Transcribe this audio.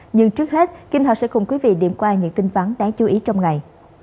nhưng trước hết kim thảo sẽ cùng quý vị điểm qua những tin phán đáng chú ý trong ngày